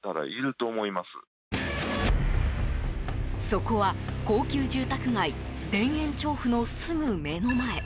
そこは、高級住宅街田園調布のすぐ目の前。